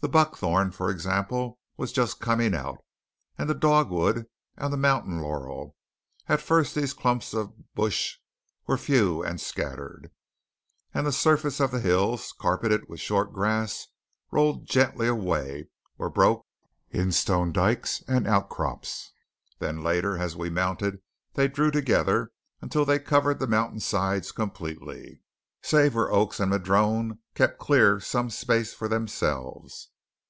The buckthorn, for example, was just coming out; and the dogwood, and the mountain laurel. At first these clumps of bush were few and scattered; and the surface of the hills, carpeted with short grass, rolled gently away, or broke in stone dikes and outcrops. Then later, as we mounted, they drew together until they covered the mountainsides completely, save where oaks and madrone kept clear some space for themselves.